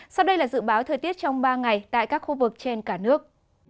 sau đây là dự báo thời tiết trong ba ngày tại các khu vực trên cả nước